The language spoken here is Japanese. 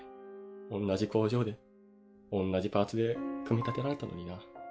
同じ工場で同じパーツで組み立てられたのにな。